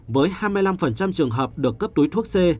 với hai mươi năm trường hợp được cấp túi thuốc c